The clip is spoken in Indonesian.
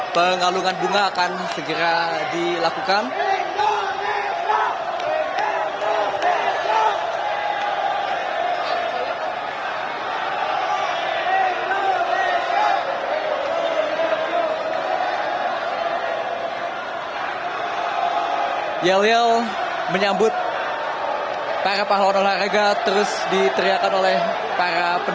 pengalungan bunga akan segera dilakukan